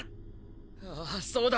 あぁそうだ！！